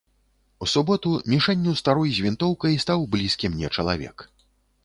У суботу мішэнню старой з вінтоўкай стаў блізкі мне чалавек.